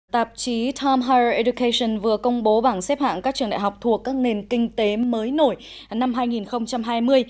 tạp chí tom hire education vừa công bố bảng xếp hạng các trường đại học thuộc các nền kinh tế mới nổi năm hai nghìn hai mươi